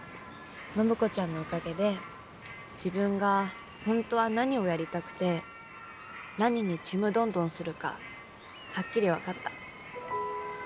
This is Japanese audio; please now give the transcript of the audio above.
暢子ちゃんのおかげで自分が本当は何をやりたくて何にちむどんどんするかはっきり分かった。